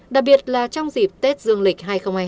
đặc biệt là trong dịp tết dương lịch hai nghìn hai mươi